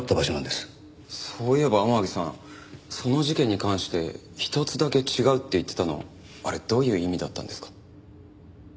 そういえば天樹さんその事件に関して１つだけ違うって言ってたのあれどういう意味だったんですか？